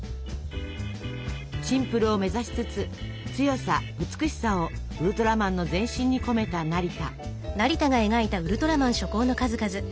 シンプルを目指しつつ強さ美しさをウルトラマンの全身に込めた成田。